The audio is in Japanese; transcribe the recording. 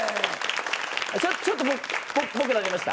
ちょっとぽくなりました？